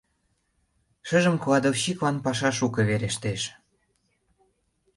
Шыжым кладовщиклан паша шуко верештеш.